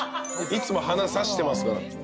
いつも花挿してますから。